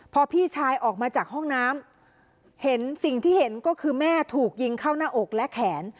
พอพี่ชายออกมาจากห้องน้ำเห็นสิ่งที่เห็นก็คือแม่ถูกยิงเข้าหน้าอกและแขน